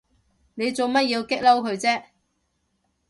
你做乜要激嬲佢啫？